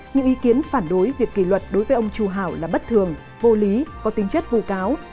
những ý kiến phản đối việc kỳ luật đối với ông trù hảo là bất thường vô lý có tính chất vụ cáo